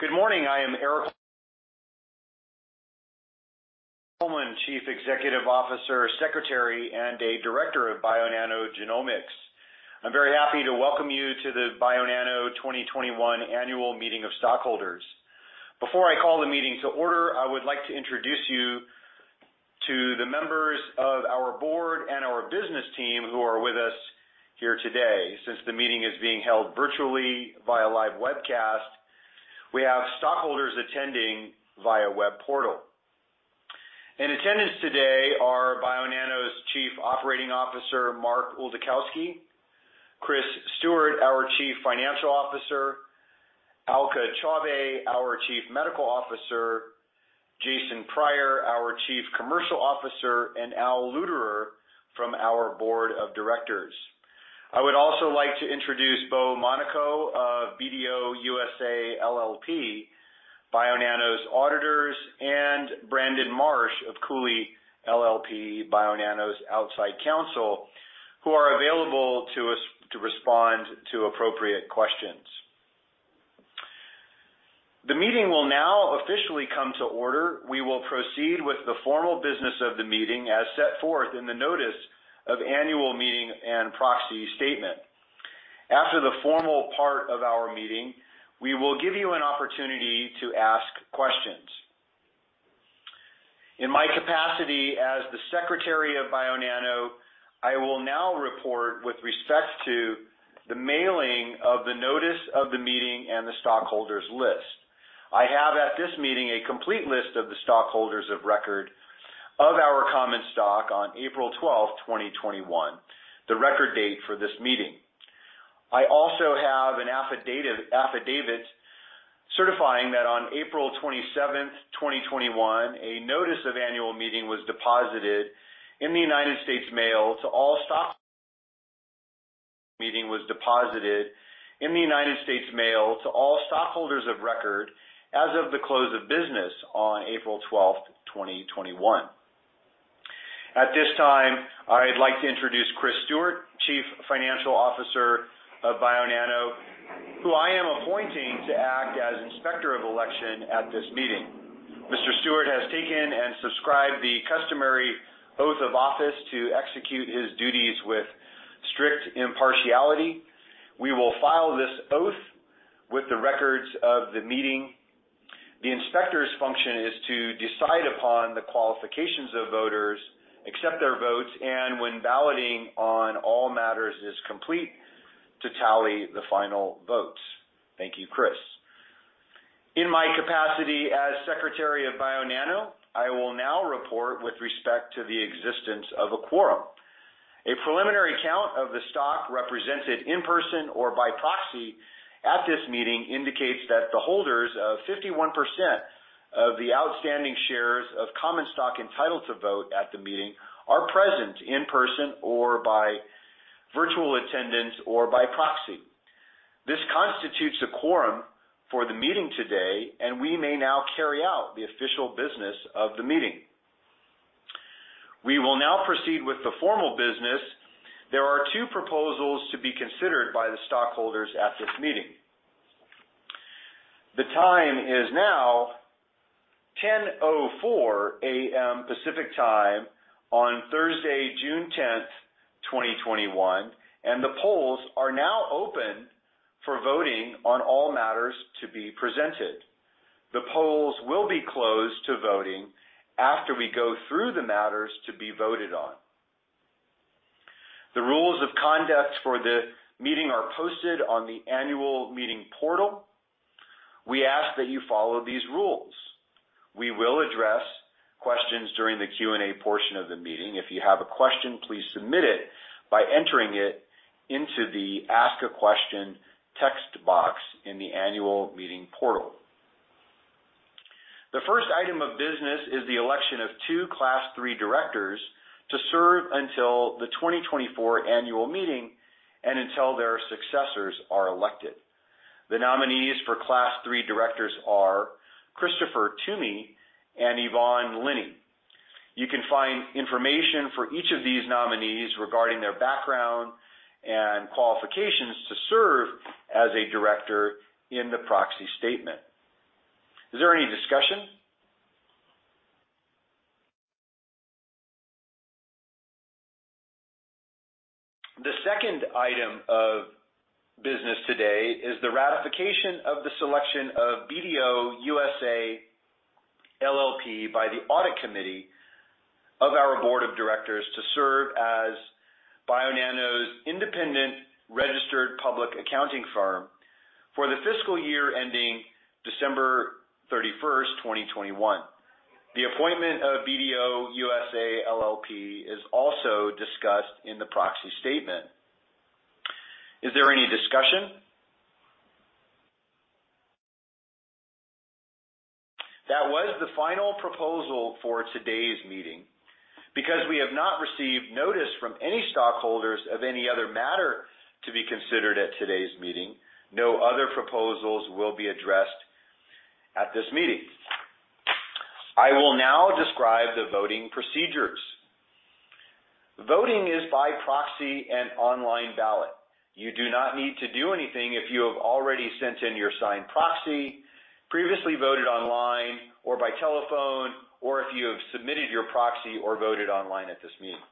Good morning. I am Erik Holmlin, Chief Executive Officer, Secretary, and the Director of Bionano Genomics. I'm very happy to welcome you to the Bionano 2021 annual meeting of stockholders. Before I call the meeting to order, I would like to introduce you to the members of our Board and our Business team who are with us here today. Since the meeting is being held virtually via live webcast, we have stockholders attending via web portal. In attendance today are Bionano's Chief Operating Officer, Mark Oldakowski, Chris Stewart, our Chief Financial Officer, Alka Chaubey, our Chief Medical Officer, Jason Priar, our Chief Commercial Officer, and Al Luderer from our Board of Directors. I would also like to introduce Bo Monaco of BDO USA LLP, Bionano's auditors, andmof Cooley LLP, Bionano's outside counsel, who are available to us to respond to appropriate questions. The meeting will now officially come to order. We will proceed with the formal business of the meeting as set forth in the notice of Annual Meeting and Proxy Statement. After the formal part of our meeting, we will give you an opportunity to ask questions. In my capacity as the Secretary of Bionano, I will now report with respect to the mailing of the notice of the meeting and the stockholders' list. I have at this meeting a complete list of the stockholders of record of our common stock on April 12th, 2021, the record date for this meeting. I also have an affidavit certifying that on April 27th, 2021, a notice of Annual Meeting was deposited in the United States mail to all stockholders of record as of the close of business on April 12th, 2021. At this time, I'd like to introduce Chris Stewart, Chief Financial Officer of Bionano, who I am appointing to act as Inspector of Election at this meeting. Mr. Stewart has taken and subscribed the customary oath of office to execute his duties with strict impartiality. We will file this oath with the records of the meeting. The Inspector's function is to decide upon the qualifications of voters, accept their votes, and when balloting on all matters is complete, to tally the final votes. Thank you, Chris. In my capacity as Secretary of Bionano, I will now report with respect to the existence of a quorum. A preliminary count of the stock represented in person or by proxy at this meeting indicates that the holders of 51% of the outstanding shares of common stock entitled to vote at the meeting are present in person or by virtual attendance or by proxy. This constitutes a quorum for the meeting today, and we may now carry out the official business of the meeting. We will now proceed with the formal business. There were two proposals to be considered by the stockholders at this meeting. The time is now 10:04 A.M. Pacific Time on Thursday, June 10th, 2021, and the polls are now open for voting on all matters to be presented. The polls will be closed to voting after we go through the matters to be voted on. The rules of conduct for the meeting are posted on the annual meeting portal. We ask that you follow these rules. We will address questions during the Q&A portion of the meeting. If you have a question, please submit it by entering it into the Ask a Question text box in the annual meeting portal. The first item of business is the election of two Class III directors to serve until the 2024 annual meeting and until their successors are elected. The nominees for Class III directors are Christopher Twomey and Yvonne Linney. You can find information for each of these nominees regarding their background and qualifications to serve as a director in the proxy statement. Is there any discussion? The second item of business today is the ratification of the selection of BDO USA LLP by the audit committee of our Board of Directors to serve as Bionano's independent registered public accounting firm for the fiscal year ending December 31st, 2021. The appointment of BDO USA LLP is also discussed in the Proxy Statement. Is there any discussion? That was the final proposal for today's meeting. Because we have not received notice from any stockholders of any other matter to be considered at today's meeting, no other proposals will be addressed at this meeting. I will now describe the Voting Procedures. Voting is by proxy and online ballot. You do not need to do anything if you have already sent in your signed proxy, previously voted online or by telephone, or if you have submitted your proxy or voted online at this meeting.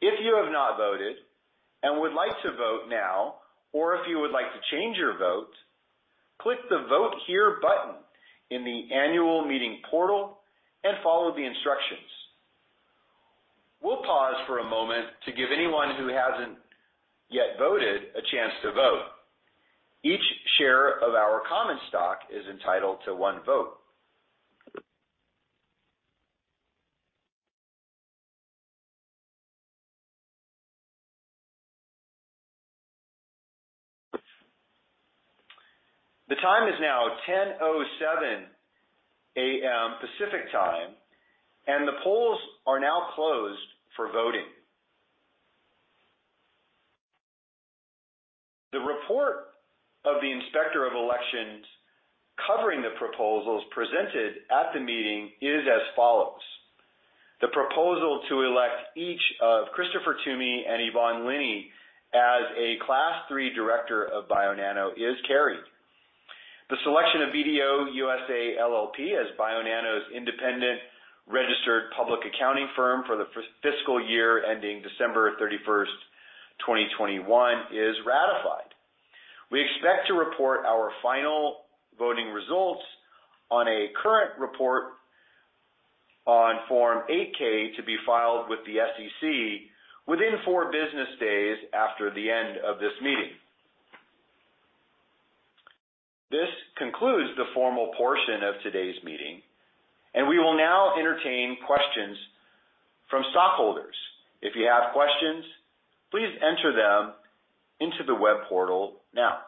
If you have not voted and would like to vote now, or if you would like to change your vote, click the Vote Here button in the Annual Meeting portal and follow the instructions. We'll pause for a moment to give anyone who hasn't yet voted a chance to vote. Each share of our common stock is entitled to one vote. The time is now 10:07 A.M. Pacific Time, and the polls are now closed for voting. The report of the Inspector of Election covering the proposals presented at the meeting is as follows. The proposal to elect each of Christopher Twomey and Yvonne Linney as a Class III director of Bionano is carried. The selection of BDO USA LLP as Bionano's independent registered public accounting firm for the fiscal year ending December 31st, 2021, is ratified. We expect to report our final voting results on a current report on Form 8-K to be filed with the SEC within four business days after the end of this meeting. This concludes the formal portion of today's meeting, and we will now entertain questions from stockholders. If you have questions, please enter them into the web portal now.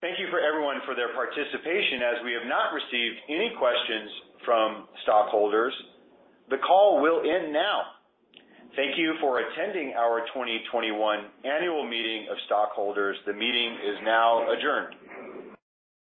Thank you for everyone for their participation. As we have not received any questions from stockholders, the call will end now. Thank you for attending our 2021 annual meeting of stockholders. The meeting is now adjourned.